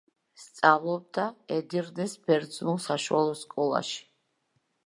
სწავლობდა ედირნეს ბერძნულ საშუალო სკოლაში.